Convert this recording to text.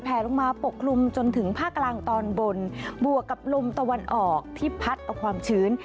ลงมาปกคลุมจนถึงภาคกลางตอนบนบวกกับลมตะวันออกที่พัดเอาความชื้น